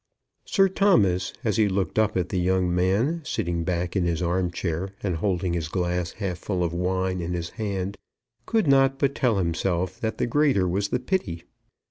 Sir Thomas, as he looked up at the young man, leaning back in his arm chair and holding his glass half full of wine in his hand, could not but tell himself that the greater was the pity.